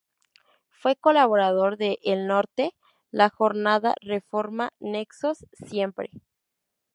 Fue colaborador de "El Norte", "La Jornada", "Reforma," "Nexos," "Siempre!